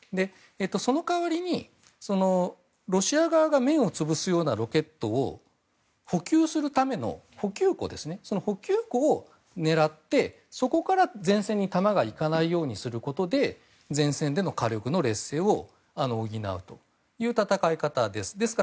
その代わりに、ロシア側が面を潰すようなロケットを補給するための補給庫を狙ってそこから前線に弾がいかないようにすることで前線での火力の劣勢を補うという戦い方です。